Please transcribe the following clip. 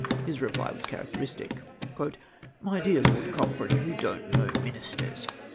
His reply was characteristic. " My dear Lord Coch rane 3'ou don't kn(_^w ministers.